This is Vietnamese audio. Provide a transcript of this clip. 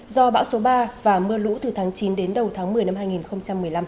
do bão số ba và mưa lũ từ tháng chín đến đầu tháng một mươi năm hai nghìn một mươi năm